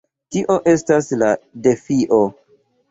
Tio estas la defio!